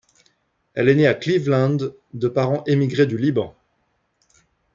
Elle est née à Cleveland de parents émigrés du Liban.